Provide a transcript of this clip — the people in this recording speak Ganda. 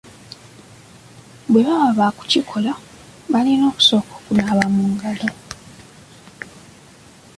Bwe baba baakukikola, balina okusooka okunaaba mu ngalo.